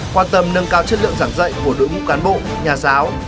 quan tâm nâng cao chất lượng giảng dạy của đội ngũ cán bộ nhà giáo